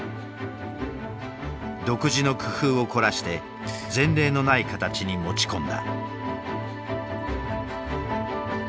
独自の工夫を凝らして前例のない形に持ち込んだ。